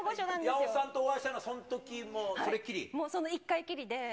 矢尾さんとお会いしたのはそその１回きりで。